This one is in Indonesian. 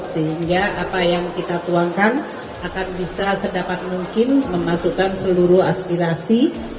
sehingga apa yang kita tuangkan akan bisa sedapat mungkin memasukkan seluruh aspirasi